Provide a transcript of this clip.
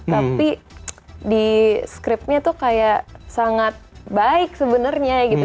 tapi di scriptnya tuh kayak sangat baik sebenarnya gitu